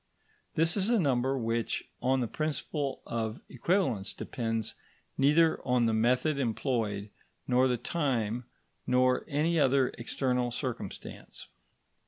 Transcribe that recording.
This is a number which, on the principle of equivalence, depends neither on the method employed, nor the time, nor any other external circumstance.